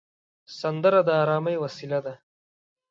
سندره د ارامۍ وسیله ده